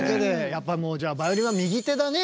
やっぱもうじゃあバイオリンは右手だね